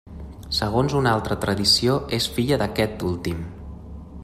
Segons una altra tradició és filla d'aquest últim.